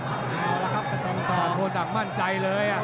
โอเคเอาละครับสั่งต่อสามคนสั่งมั่นใจเลยอ่ะ